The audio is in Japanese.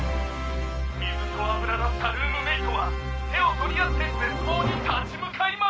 「水と油だったルームメイトは手を取り合って絶望に立ち向かいます！」